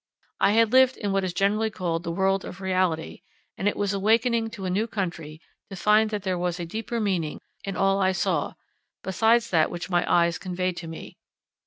I had lived in what is generally called the world of reality, and it was awakening to a new country to find that there was a deeper meaning in all I saw, besides that which my eyes conveyed to me.